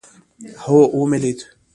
هو ومې لېد.